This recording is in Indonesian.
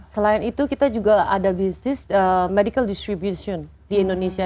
selain itu kita juga ada bisnis medical distribution di indonesia